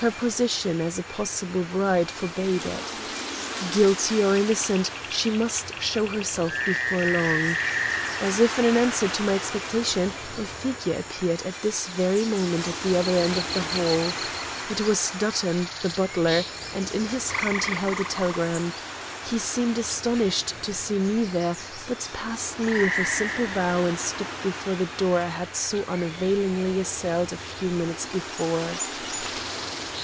Her position as a possible bride forbade it. Guilty or innocent, she must show herself before long. As if in answer to my expectation, a figure appeared at this very moment at the other end of the hall. It was Dutton, the butler, and in his hand he held a telegram. He seemed astonished to see me there, but passed me with a simple bow and stopped before the door I had so unavailingly assailed a few minutes before.